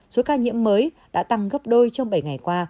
số ca nhiễm mới đã tăng gấp đôi trong bảy ngày qua